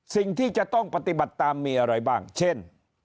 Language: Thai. สิ่งที่จะต้องปฏิบัติตามมีอะไรบ้างเช่น